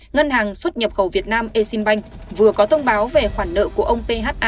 ngân hàng xuất nhập khẩu việt nam eximbank vừa có thông báo về khoản nợ của ông pha